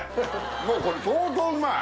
もうこれ相当うまい！